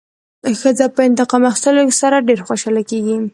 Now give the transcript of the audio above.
ښځه په انتقام اخیستلو سره ډېره خوشحاله کېږي.